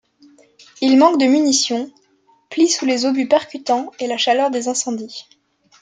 Ils manquent de munitions, plient sous les obus percutants et la chaleur des incendies.